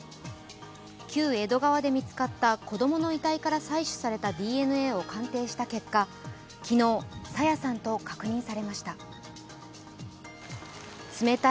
旧江戸川で見つかった子供の遺体から採取されたＤＮＡを鑑定した結果、昨日、朝芽さんと確認されました。